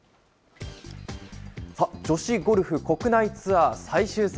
さあ、女子ゴルフ国内ツアー最終戦。